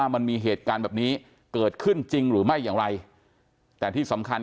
มันมีเหตุการณ์แบบนี้เกิดขึ้นจริงหรือไม่อย่างไรแต่ที่สำคัญ